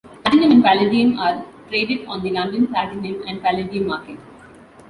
Platinum and palladium are traded on the London Platinum and Palladium Market.